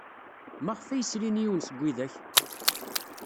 Maɣef ay srin yiwen seg widak?